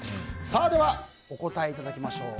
では、お答えいただきましょう。